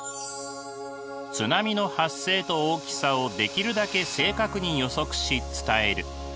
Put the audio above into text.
津波の発生と大きさをできるだけ正確に予測し伝える。